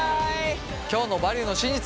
今日の「バリューの真実」